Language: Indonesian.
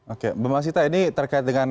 oke bu masita ini terkait dengan